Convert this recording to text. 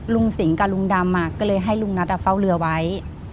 สิงกับลุงดำก็เลยให้ลุงนัทเฝ้าเรือไว้